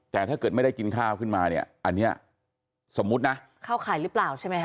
แต่ถ้าเกิดไม่ได้กินข้าวขึ้นมาเนี่ยอันนี้สมมุตินะเข้าข่ายหรือเปล่าใช่ไหมฮ